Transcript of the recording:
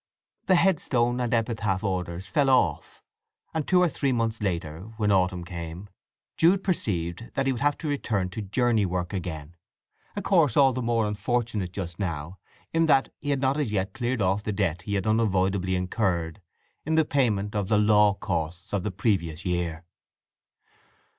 The headstone and epitaph orders fell off: and two or three months later, when autumn came, Jude perceived that he would have to return to journey work again, a course all the more unfortunate just now, in that he had not as yet cleared off the debt he had unavoidably incurred in the payment of the law costs of the previous year.